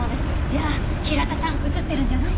じゃあ平田さん映ってるんじゃない？